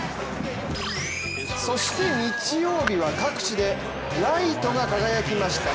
そして日曜日は各地でライトが輝きました。